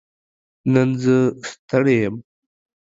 نن زه ستړې يم